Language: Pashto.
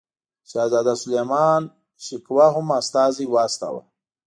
شهزاده سلیمان شکوه هم استازی واستاوه.